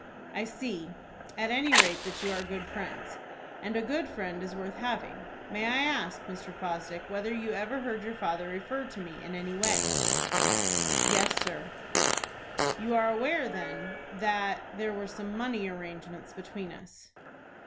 "I see at any rate that you are good friends, and a good friend is worth having. May I ask, Mr. Fosdick, whether you ever heard your father refer to me in any way?" "Yes, sir." "You are aware, then, that there were some money arrangements between us?"